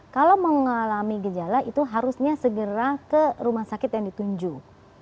kalau mengalami gejala itu harusnya segera ke rumah sakit yang ditunjuk